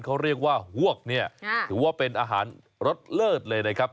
เขาเรียกว่าฮวกเนี่ยถือว่าเป็นอาหารรสเลิศเลยนะครับ